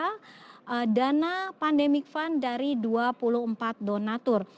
dan juga dana pandemic fund dari dua puluh empat donatur